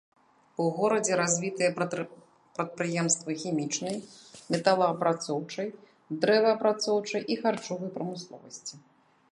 У горадзе развітыя прадпрыемствы хімічнай, металаапрацоўчай, дрэваапрацоўчай і харчовай прамысловасці.